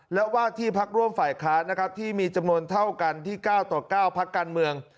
และว่าที่พักร่วมฝ่ายค้านนะครับที่มีจำนวนเท่ากันที่๙ต่อ๙พักการเมือง